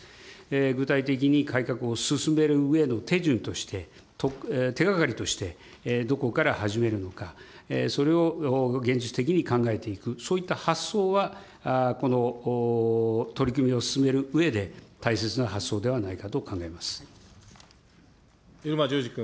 具体的に改革を進める上の手順として、手がかりとして、どこから始めるのか、それを現実的に考えていく、そういった発想はこの取り組みを進めるうえで大切な発想ではない漆間譲司君。